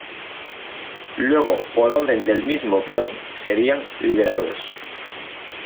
Luego, por orden del mismo Perón, serían liberados.